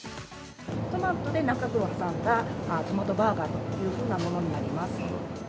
トマトで中具を挟んだトマトバーガーというふうなものになります。